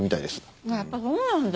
やっぱそうなんだ。